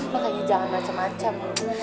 makanya jangan macam macam